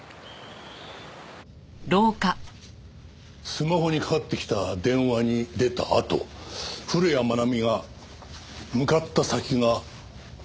スマホにかかってきた電話に出たあと古谷愛美が向かった先がホテルの裏口か。